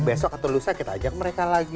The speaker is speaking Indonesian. besok atau lusa kita ajak mereka lagi